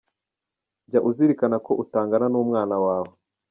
Jya uzirikana ko utangana n’umwana wawe.